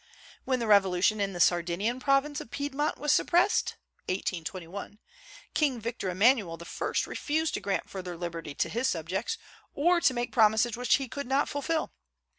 When the revolution in the Sardinian province of Piedmont was suppressed (1821), King Victor Emmanuel I. refused to grant further liberty to his subjects, or to make promises which he could not fulfil.